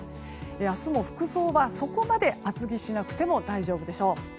明日も服装はそこまで厚着しなくても大丈夫でしょう。